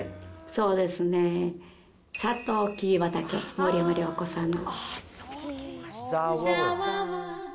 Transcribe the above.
そうですね、さとうきび畑、森山良子さんの。